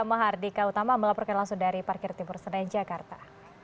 mahardika utama melaporkan langsung dari parkir timur senayan jakarta